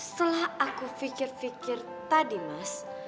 setelah aku fikir fikir tadi mas